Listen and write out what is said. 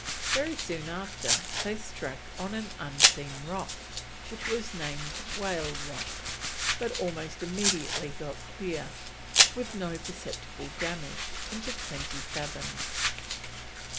Very soon after they struck on an unseen rock, which was named Whale Rock, but almost immediately got clear, with no "perceptible damage," into twenty fathoms.